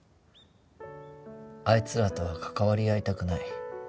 あいつらとは関わり合いたくない